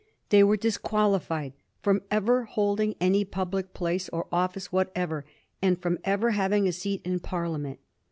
They were'disqualified fi om ever holding any public place or office whatever, and firom ever having a seat in Parliament.